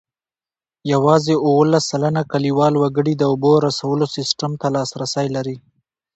یوازې اوولس سلنه کلیوال وګړي د اوبو رسولو سیسټم ته لاسرسی لري.